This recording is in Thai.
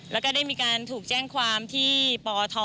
แล้วก็ได้มีการถูกแจ้งความที่ปอท